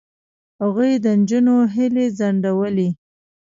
هغوی د نجونو هیلې ځنډولې.